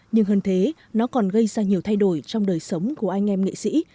nhưng hơn thế nó còn gây ra nhiều thay đổi trong đời sống của anh em nghệ sĩ